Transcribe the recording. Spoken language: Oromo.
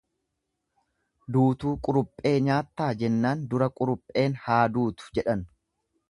Duutuu quruphee nyaattaa? jennaan dura qurupheen haaduutu jedhan.